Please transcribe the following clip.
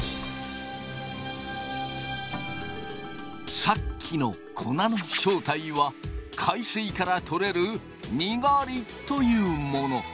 さっきの粉の正体は海水から取れるにがりというもの。